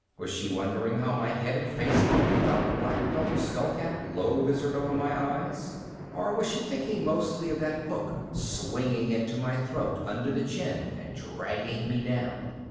Was she wondering how my head and face looked without the black felt skullcap low visored over my eyes? Or was she thinking mostly of that hook swinging into my throat under the chin and dragging me down?